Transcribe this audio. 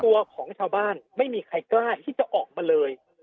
ของชาวบ้านไม่มีใครกล้าที่จะออกมาเลย